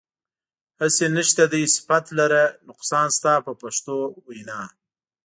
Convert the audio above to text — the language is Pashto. هسې نشته دی صفت لره نقصان ستا په پښتو وینا.